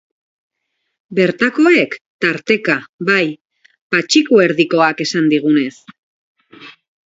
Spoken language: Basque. Bertakoek, tarteka, bai, Patxiku Erdikoak esan digunez.